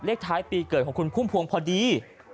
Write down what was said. ท้ายปีเกิดของคุณพุ่มพวงพอดี